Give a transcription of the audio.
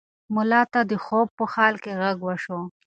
ملا ته د خوب په حال کې غږ وشو.